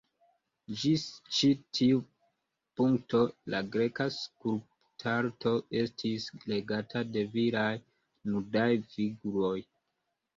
Ĝis ĉi tiu punkto, la greka skulptarto estis regata de viraj nudaj figuroj.